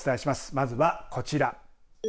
まずはこちら。